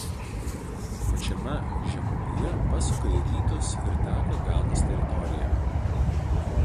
Pačiame žemupyje pasuka į rytus ir teka Ganos teritorija.